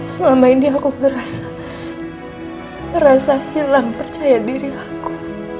selama ini aku berasa berasa hilang percaya diri aku